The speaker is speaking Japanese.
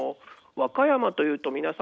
和歌山というと皆さん